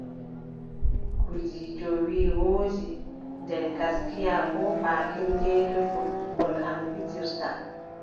Gudiijo wii : woodi, nden gaskiya boo baakin deydey ko ɓikkon am pijiirta.